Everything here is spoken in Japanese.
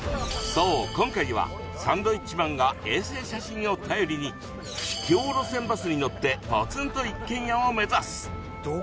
そう今回はサンドウィッチマンが衛星写真を頼りに秘境路線バスに乗ってポツンと一軒家を目指す